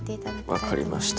はい分かりました。